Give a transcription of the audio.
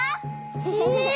え！